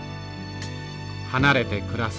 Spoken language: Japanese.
離れて暮らす